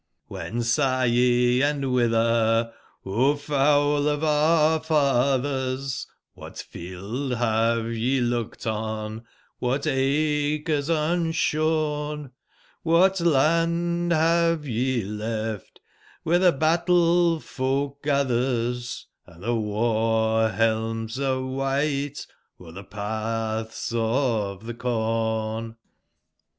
nGJVCB are ye and whither, O fowl of our fathers ? a Cdbat field have ye looked on, what acres unshorn ? ^hat land have ye left where tbe battle/folk gathers, •Hnd the war/helms are white )0'er the paths of the corn